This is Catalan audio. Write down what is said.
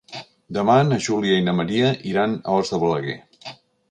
Demà na Júlia i na Maria iran a Os de Balaguer.